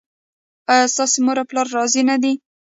ایا ستاسو مور او پلار راضي نه دي؟